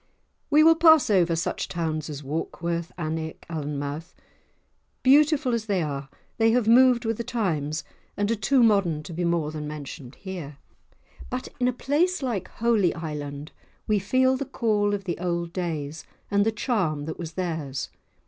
We will pass over such towns as Warkworth, Alnwick, Alnmouth; beautiful as they are, they have moved with the times and are too modern to be more than mentioned here. But in a place like Holy Island we feel the call of the old days, and the charm that was theirs.